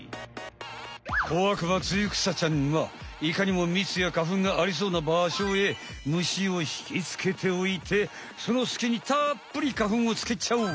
小悪魔ツユクサちゃんはいかにもみつや花ふんがありそうなばしょへ虫をひきつけておいてそのすきにたっぷり花ふんをつけちゃう！